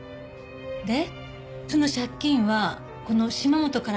でその借金はこの島本からのものなの？